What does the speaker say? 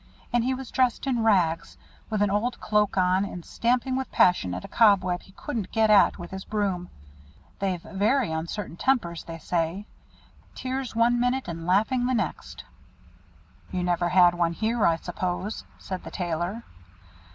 And he was dressed in rags, with an old cloak on, and stamping with passion at a cobweb he couldn't get at with his broom. They've very uncertain tempers, they say. Tears one minute, and laughing the next." "You never had one here, I suppose?" said the Tailor.